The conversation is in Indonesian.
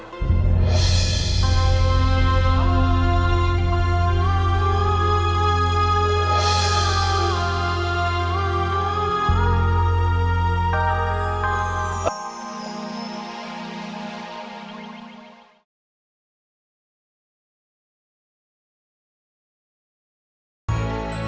kau tidak mengenalinya